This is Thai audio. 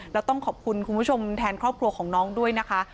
แล้วต้องขอบคุณคุณผู้ชมแทนครอบครัวของน้องด้วยนะคะ